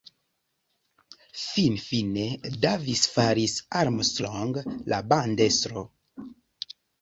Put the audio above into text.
Finfine, Davis faris Armstrong la bandestro.